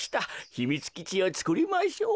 ひみつきちをつくりましょう。